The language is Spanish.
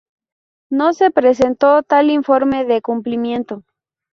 No se presentó tal informe de cumplimiento.